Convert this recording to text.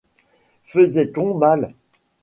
Faisait-on mal ?